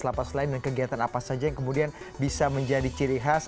lapas lain dan kegiatan apa saja yang kemudian bisa menjadi ciri khas